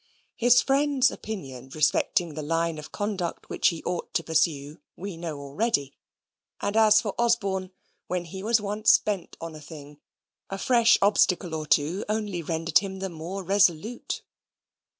His friend's opinion respecting the line of conduct which he ought to pursue, we know already. And as for Osborne, when he was once bent on a thing, a fresh obstacle or two only rendered him the more resolute.